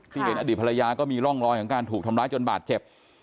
เห็นอดีตภรรยาก็มีร่องรอยของการถูกทำร้ายจนบาดเจ็บ